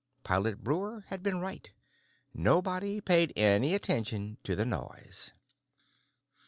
Pilot Breuer had been right. Nobody paid any attention to the noise.